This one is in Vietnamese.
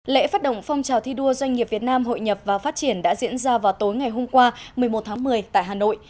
lễ phát động phong trào thi đua doanh nghiệp việt nam hội nhập và phát triển đã diễn ra vào tối ngày hôm qua một mươi một tháng một mươi tại hà nội